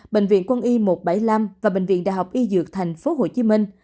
bệnh viện quân y một trăm bảy mươi năm và bệnh viện đại học y dược tp hcm